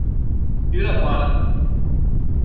Iraquara